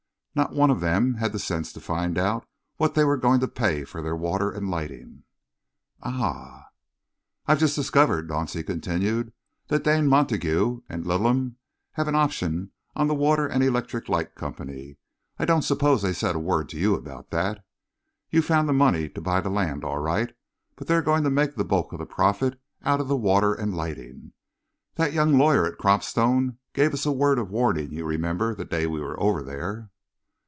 Not one of them had the sense to find out what they were going to pay for their water and lighting." "Ah!" "I've just discovered," Dauncey continued, "that Dane Montague and Littleham have an option on the Water and Electric Light Company. I don't suppose they said a word to you about that. You found the money to buy the land, all right, but they're going to make the bulk of the profit out of the water and lighting. That young lawyer at Cropstone gave us a word of warning, you remember, the day we were over there."